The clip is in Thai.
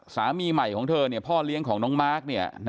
สามีใหม่ของเธอพ่อเลี้ยงของน้องมาร์ค